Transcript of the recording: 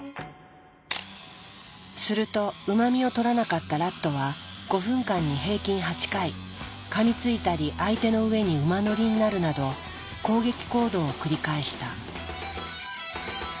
するとうま味をとらなかったラットは５分間に平均８回かみついたり相手の上に馬乗りになるなど攻撃行動を繰り返した。